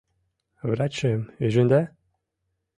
— Врачшым ӱжында?